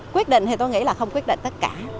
quyết định thì tôi nghĩ là không quyết định tất cả